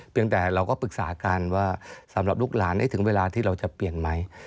แต่เราก็ปรึกษากันว่าสำหรับลูกหลานถึงเวลาที่เราจะเปลี่ยนไหม